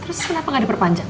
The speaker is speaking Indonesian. terus kenapa gak diperpanjang